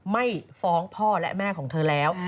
ไม่ฟ้องพ่อและแม่ของเธอแล้ว